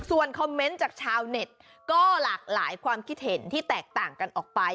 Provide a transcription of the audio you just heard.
ส่วนคอมเมนต์จากชาวเน็ตก็หลากหลายความคิดเห็นที่แตกต่างกันออกไป